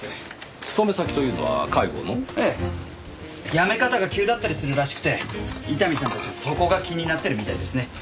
辞め方が急だったりするらしくて伊丹さんたちはそこが気になってるみたいですね。